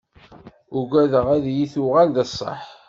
Ugadeɣ ad iyi-tuɣal d ṣṣeḥ.